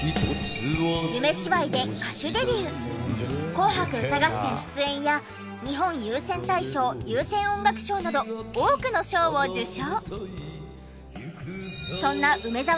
『紅白歌合戦』出演や日本有線大賞有線音楽賞など多くの賞を受賞。